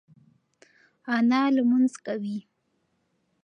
انا لمونځ کوي.